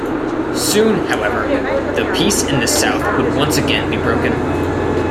Soon, however, the peace in the south would once again be broken.